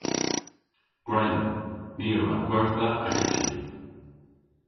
Gwren. Ni a wra gwertha aga chi.